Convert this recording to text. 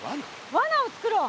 わなをつくろう。